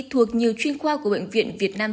thuộc nhiều chuyên khoa của bệnh viện việt nam